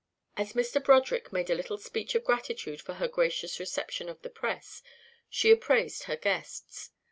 As Mr. Broderick made a little speech of gratitude for her gracious reception of the press, she appraised her guests.